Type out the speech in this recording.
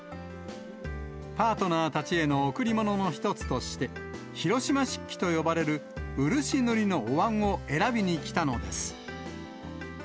パートナーたちへの贈り物の一つとして、広島漆器と呼ばれる漆塗りのおわんを選びにきたのです。